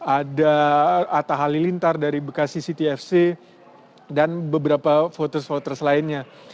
ada atta halilintar dari bekasi city fc dan beberapa voters voters lainnya